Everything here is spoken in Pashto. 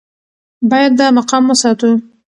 باید دا مقام وساتو.